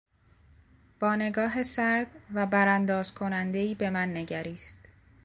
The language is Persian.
با نگاه سرد و برانداز کنندهای به من نگریست.